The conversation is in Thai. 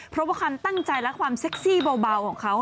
เพราะว่าความตั้งใจและความเซ็กซี่เบาของเขา